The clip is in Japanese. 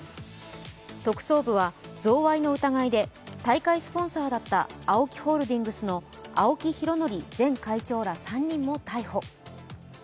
特捜部は贈賄の疑いで大会スポンサーだったＡＯＫＩホールディングスの青木拡憲前会長ら３人も逮捕。